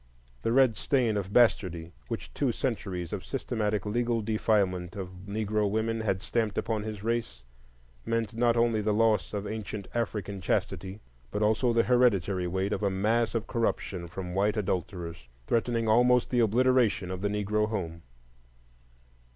The red stain of bastardy, which two centuries of systematic legal defilement of Negro women had stamped upon his race, meant not only the loss of ancient African chastity, but also the hereditary weight of a mass of corruption from white adulterers, threatening almost the obliteration of the Negro home.